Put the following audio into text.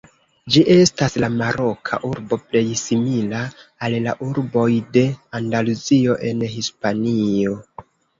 Ĝi estas la maroka urbo plej simila al la urboj de Andaluzio en Hispanio.